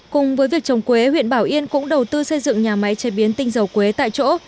cùng với việc trồng quế huyện bảo yên cũng đầu tư xây dựng nhà máy chế biến tinh dầu quế tại chỗ